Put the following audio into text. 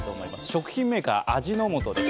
食品メーカー、味の素です。